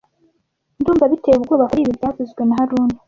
Ndumva biteye ubwoba kuri ibi byavuzwe na haruna